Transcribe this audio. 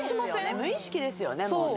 無意識ですよね